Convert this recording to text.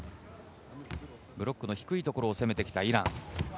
ブロックの低いところ攻めてきたイラン。